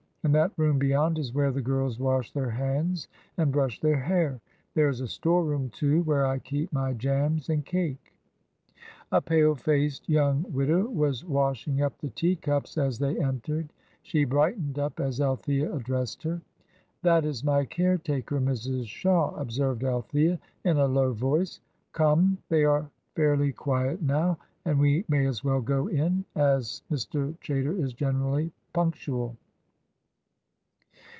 And that room beyond is where the girls wash their hands and brush their hair. There is a store room, too, where I keep my jams and cake." A pale faced young widow was washing up the tea cups as they entered. She brightened up as Althea addressed her. "That is my caretaker, Mrs. Shaw," observed Althea, in a low voice. "Come, they are fairly quiet now, and we may as well go in, as Mr. Chaytor is generally punctual."